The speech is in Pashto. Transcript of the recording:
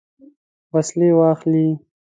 وسلې واخلي.